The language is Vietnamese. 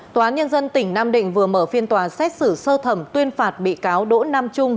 tòa án nhân dân tỉnh nam định vừa mở phiên tòa xét xử sơ thẩm tuyên phạt bị cáo đỗ nam trung